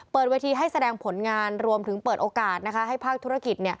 เปิดเวทีให้แสดงผลงานรวมถึงเปิดโอกาสให้ภาคธุรกิจ